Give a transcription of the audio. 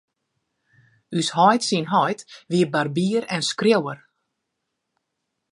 Us heit syn heit wie barbier en skriuwer.